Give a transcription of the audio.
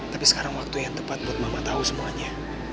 tapi sekarang waktu yang tepat buat mama tahu semuanya